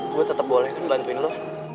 gue tetep boleh kan bantuin lo